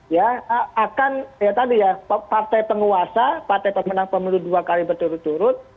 ya akan ya tadi ya partai penguasa partai pemenang pemilu dua kali berturut turut